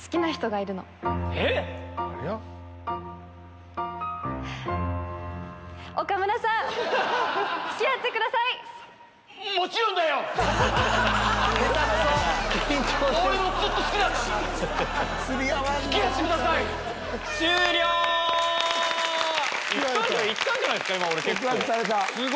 行ったんじゃないですか？